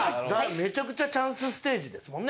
めちゃくちゃチャンスステージですもんね